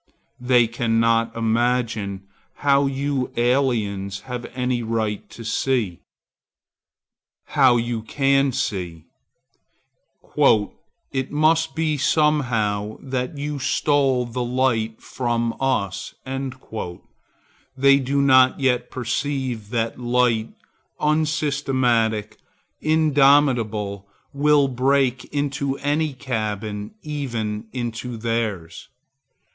They cannot imagine how you aliens have any right to see,—how you can see; 'It must be somehow that you stole the light from us.' They do not yet perceive that light, unsystematic, indomitable, will break into any cabin, even into theirs.